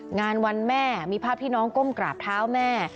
งานวันแม่มีภาพที่น้องก้มกราบเท้าแม่